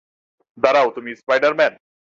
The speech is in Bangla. দাঁড়াও, তুমিও স্পাইডার-ম্যান?